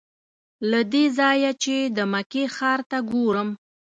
له دې ځایه چې د مکې ښار ته ګورم.